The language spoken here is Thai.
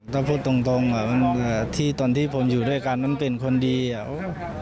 ถ้าพูดตรงอ่ะที่ตอนที่ผมอยู่ด้วยกันมันเป็นคนดีอ่ะ